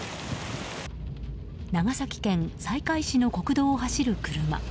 長崎県西海市の国道を走る車。